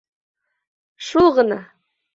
Шул ғына!